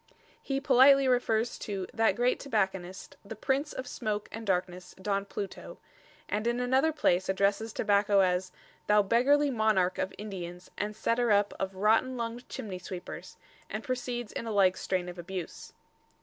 He politely refers to "that great Tobacconist, the Prince of Smoake and Darkness, Don Pluto"; and in another place addresses tobacco as "thou beggarly Monarche of Indians, and setter up of rotten lungd chimney sweepers," and proceeds in a like strain of abuse.